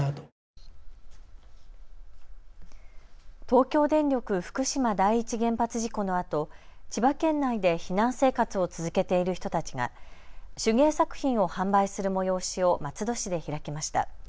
東京電力福島第一原発事故のあと千葉県内で避難生活を続けている人たちが手芸作品を販売する催しを松戸市で開きました。